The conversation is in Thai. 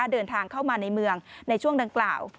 เดินทางเข้ามาในเมืองในช่วงดังกล่าว